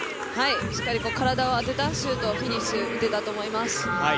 しっかり体を当てたシュート、フィニッシュを打てたと思います。